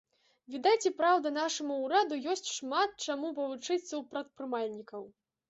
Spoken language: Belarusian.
Відаць, і праўда нашаму ўраду ёсць шмат чаму павучыцца ў прадпрымальнікаў.